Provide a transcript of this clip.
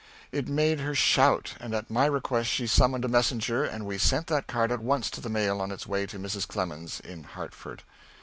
_" It made her shout; and at my request she summoned a messenger and we sent that card at once to the mail on its way to Mrs. Clemens in Hartford.